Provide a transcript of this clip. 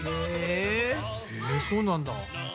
へぇそうなんだ。